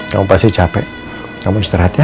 kamu pasti capek kamu istirahat ya